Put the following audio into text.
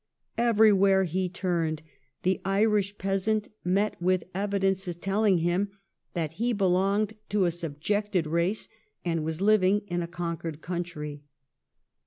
Everywhere he turned, the Irish peasant met with evidences telling him that he belonged to a subjected race and was living in a conquered country.